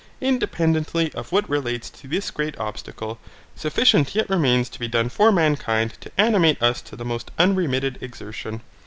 Independently of what relates to this great obstacle, sufficient yet remains to be done for mankind to animate us to the most unremitted exertion.